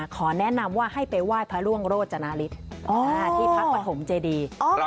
ขอแนะนำว่าให้ไปไหว้พระร่วงโรจนาฤทธิ์ที่พักปฐมเจดี